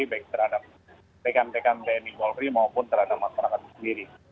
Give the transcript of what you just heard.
baik terhadap rekan rekan tni polri maupun terhadap masyarakat sendiri